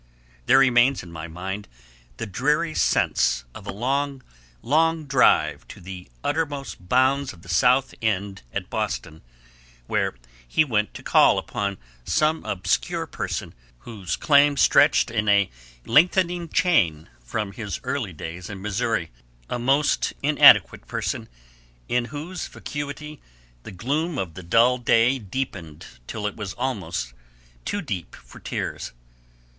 There remains in my mind the dreary sense of a long, long drive to the uttermost bounds of the South End at Boston, where he went to call upon some obscure person whose claim stretched in a lengthening chain from his early days in Missouri a most inadequate person, in whose vacuity the gloom of the dull day deepened till it was almost too deep for tears.